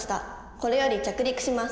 これより着陸します」。